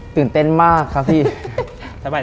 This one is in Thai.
ตื่นเต้นมากครับพี่